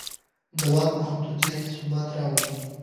د واک محدودیت ثبات راولي